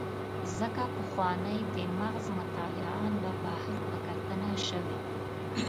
ځکه پخوانۍ د مغز مطالعه له بهر په کتنه شوې.